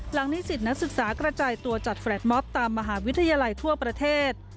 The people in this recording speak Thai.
นิสิตนักศึกษากระจายตัวจัดแรดม็อบตามมหาวิทยาลัยทั่วประเทศ